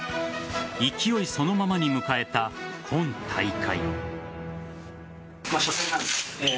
勢いそのままに迎えた今大会。